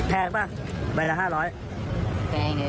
แพงหรือเปล่าบ่ายละ๕๐๐